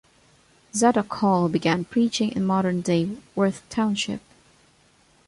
Zadock Hall began preaching in modern-day Worth Township.